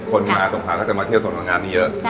คนมาสงหาตั้งแต่มาเที่ยวถนนดังอามที่เยอะ